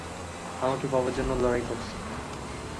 আমাকে পাবার জন্য লড়াই করছে।